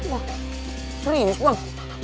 wah serius bang